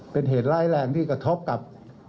เป็นเหตุร้ายแรงที่กระทบกับ